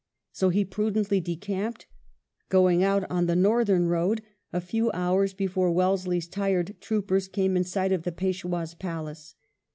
So he prudently decamped, going out on the northern road a few hours before Wellesley's tired troopers came in sight of the Peishwah's palace.